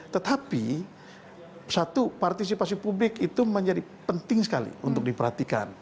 tetapi satu partisipasi publik itu menjadi penting sekali untuk diperhatikan